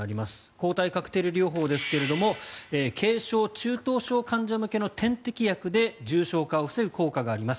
抗体カクテル療法ですが軽症・中等症患者向けの点滴薬で重症化を防ぐ効果があります。